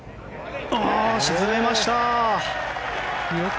沈めました！